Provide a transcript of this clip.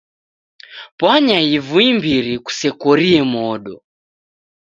Pwanya ivu imbiri kusekorie modo.